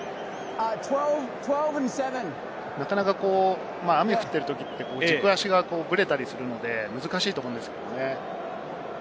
なかなか雨が降っているときは軸足がぶれたりするので難しいと思うんですよね。